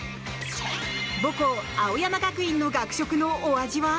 母校・青山学院の学食のお味は？